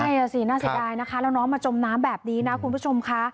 ใช่อ่ะสิน่าเสียดายนะคะแล้วน้องมาจมน้ำแบบนี้นะคุณผู้ชมค่ะ